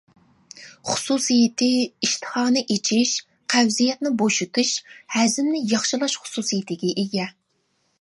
خۇسۇسىيىتى ئىشتىھانى ئېچىش، قەۋزىيەتنى بوشىتىش، ھەزىمنى ياخشىلاش خۇسۇسىيىتىگە ئىگە.